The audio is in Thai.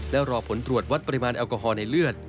และรอผลตรวจวัดปริมาณแอลกอฮอล์ในเลือด